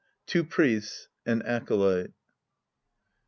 Two Priests. An Acolyte.